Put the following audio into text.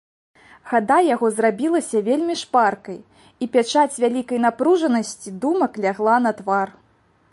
Хада яго зрабілася вельмі шпаркай, і пячаць вялікай напружанасці думак лягла на твар.